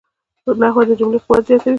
نحوه د جملې قوت زیاتوي.